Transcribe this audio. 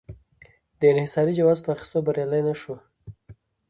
د انحصاري جواز په اخیستو بریالی نه شو.